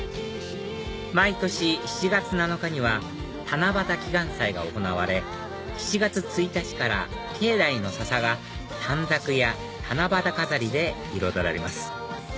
毎年７月７日には七夕祈願祭が行われ７月１日から境内のササが短冊や七夕飾りで彩られます